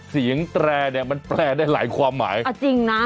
สียิงแตรกนี่มันแปลได้หลายความหมายอ่ะจริงนะ